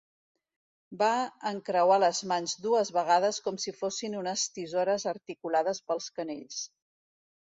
Va encreuar les mans dues vegades com si fossin unes tisores articulades pels canells.